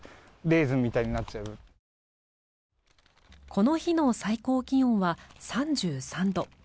この日の最高気温は３３度。